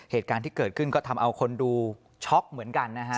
เหตุการณ์ที่เกิดขึ้นก็ทำเอาคนดูช็อกเหมือนกันนะฮะ